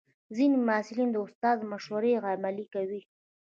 ځینې محصلین د استاد مشورې عملي کوي.